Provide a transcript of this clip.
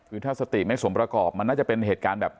คือถ้าสติไม่สมประกอบมันน่าจะเป็นเหตุการณ์แบบ